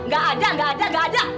gak ada gak ada gak ada